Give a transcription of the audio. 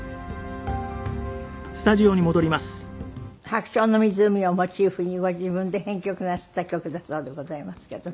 『白鳥の湖』をモチーフにご自分で編曲なすった曲だそうでございますけど。